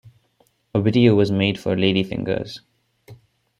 A video was made for "Ladyfingers".